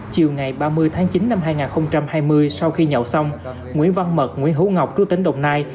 chiều ngày ba mươi tháng chín năm hai nghìn hai mươi sau khi nhậu xong nguyễn văn mật nguyễn hữu ngọc chú tỉnh đồng nai